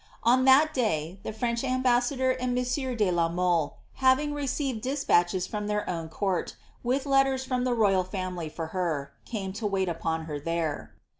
On that day, the French ambassador and monsieur de la Mde, having received despatches from their own court, with letters from the royal lamily for her, came to wait upon her there.